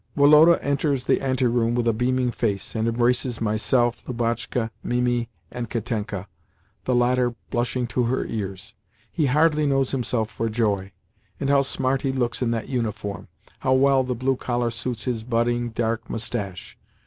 Woloda enters the anteroom with a beaming face, and embraces myself, Lubotshka, Mimi, and Katenka—the latter blushing to her ears. He hardly knows himself for joy. And how smart he looks in that uniform! How well the blue collar suits his budding, dark moustache!